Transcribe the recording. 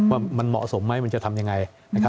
ว่ามันเหมาะสมไหมมันจะทำยังไง